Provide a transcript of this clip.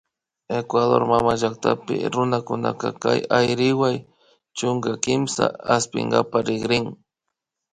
Ecuador mamallakta runakunaka kay Ayriwa chunka kimsata aspinkapak rikrin